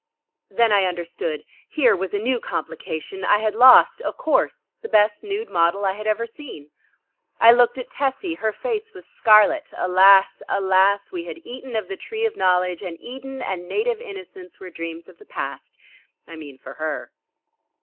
Then I understood. Here was a new complication. I had lost, of course, the best nude model I had ever seen. I looked at Tessie. Her face was scarlet. Alas! Alas! We had eaten of the tree of knowledge, and Eden and native innocence were dreams of the past I mean for her.